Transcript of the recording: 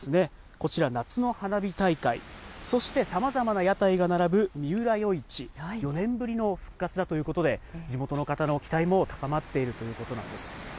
こちら、夏の花火大会、そしてさまざまな屋台が並ぶみうら夜市、４年ぶりの復活だということで、地元の方の期待も高まっているということなんです。